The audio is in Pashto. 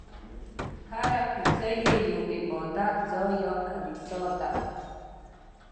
هره کوڅه کې یو عبادت ځای یا کلیسا ده.